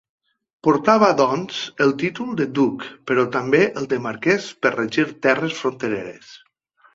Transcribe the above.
Portava, doncs, el títol de duc, però també el de marquès per regir terres frontereres.